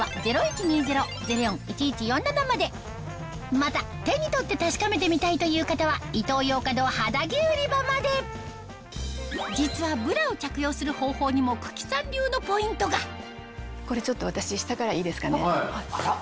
また手に取って確かめてみたいという方は実はブラを着用する方法にも九鬼さん流のポイントがこれちょっと私下からいいですかね？